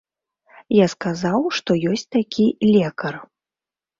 Я сказаў, што ёсць такі лекар.